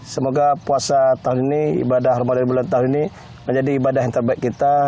semoga puasa tahun ini ibadah ramadan bulan tahun ini menjadi ibadah yang terbaik kita